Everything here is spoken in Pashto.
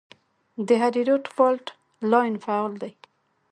د هریرود فالټ لاین فعال دی